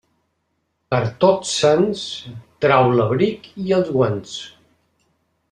Per Tots Sants, trau l'abric i els guants.